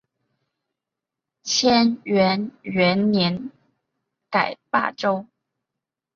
干元元年改霸州。